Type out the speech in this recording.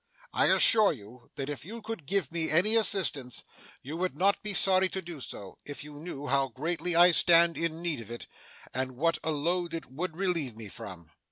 I assure you that if you could give me any assistance, you would not be sorry to do so, if you knew how greatly I stand in need of it, and what a load it would relieve me from.